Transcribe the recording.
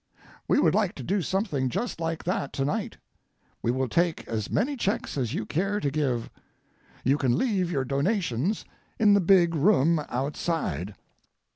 We would like to do something just like that to night. We will take as many checks as you care to give. You can leave your donations in the big room outside.